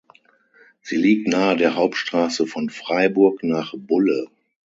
Sie liegt nahe der Hauptstrasse von Freiburg nach Bulle.